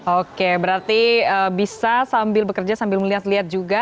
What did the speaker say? oke berarti bisa sambil bekerja sambil melihat lihat juga